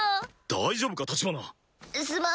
大丈夫か橘。